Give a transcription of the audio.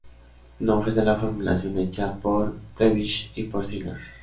No fue esa la formulación hecha por Prebisch y por Singer.